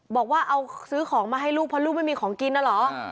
บอกว่าเอาซื้อของมาให้ลูกเพราะลูกไม่มีของกินน่ะเหรอ